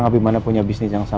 menaruh buku abimana